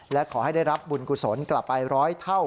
และขอให้ได้รับบุญกุศลกลับไป๑๐๐เท่า